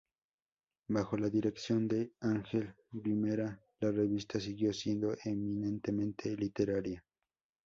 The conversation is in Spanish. Bajo la dirección de Ángel Guimerá, la revista siguió siendo eminentemente literaria.